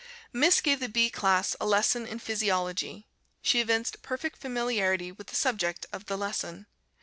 Miss gave the B class a lesson in Physiology. She evinced perfect familiarity with the subject of the lesson.